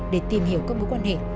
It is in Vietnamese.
để tìm hiểu các mối quan hệ